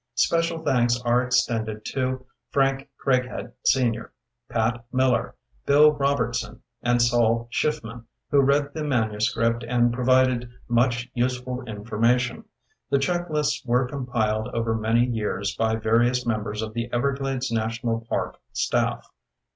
Special thanks are extended to Frank Craighead, Sr., Pat Miller, Bill Robertson, and Saul Schiffman, who read the manuscript and provided much useful information. The checklists were compiled over many years by various members of the Everglades National Park staff.